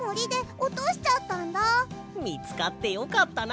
みつかってよかったな！